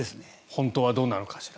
本当はどうなのかしら。